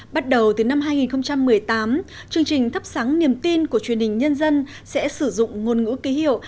bắt đầu từ năm hai nghìn một mươi tám chương trình thắp sáng niềm tin của truyền hình nhân dân sẽ sử dụng ngôn ngữ ký hiệu